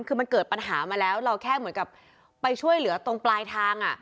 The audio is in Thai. คือมันเกิดปัญหามาแล้วเราแค่เหมือนกับไปช่วยเหลือตรงปลายทาง